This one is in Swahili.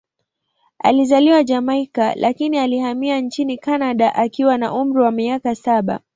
Alizaliwa Jamaika, lakini alihamia nchini Kanada akiwa na umri wa miaka saba.